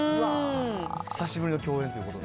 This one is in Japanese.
久しぶりの共演ということが。